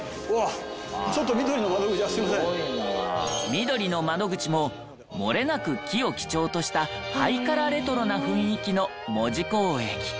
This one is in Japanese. みどりの窓口ももれなく木を基調としたハイカラレトロな雰囲気の門司港駅。